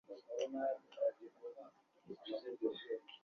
এখন বিচারের ভার তোমাদের উপর।